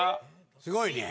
すごいね。